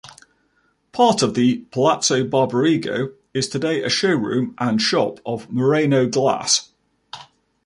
Part of the Palazzo Barbarigo is today a showroom and shop of Murano glass.